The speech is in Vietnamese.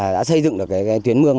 đến những chổ tuyên quang